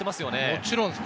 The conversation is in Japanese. もちろんです。